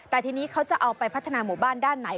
แต่ทีนี้เขาจะเอาไปพัฒนาหมู่บ้านด้านไหน